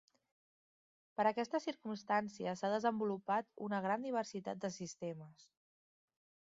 Per aquesta circumstància s'ha desenvolupat una gran diversitat de sistemes.